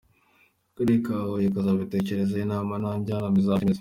Akarere ka Huye kazabitekerezeho, inama njyanama izabyemeze.